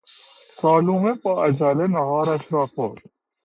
سالومه با عجله نهارش را خورد.